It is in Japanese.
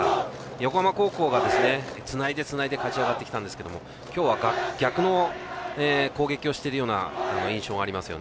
横浜高校がつないで、つないで勝ち上がってきたんですけれども今日は逆の攻撃をしているような印象があります。